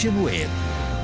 di kcn indonesia insiders